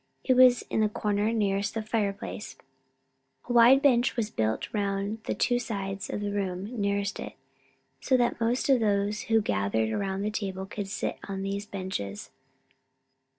It was in the corner nearest the fireplace. A wide bench was built round the two sides of the room nearest it, so that most of those who gathered around the table could sit on these benches.